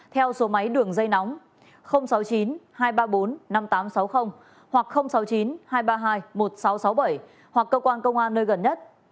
theo số máy đường dây nóng sáu mươi chín hai trăm ba mươi bốn năm nghìn tám trăm sáu mươi hoặc sáu mươi chín hai trăm ba mươi hai một nghìn sáu trăm sáu mươi bảy hoặc cơ quan công an nơi gần nhất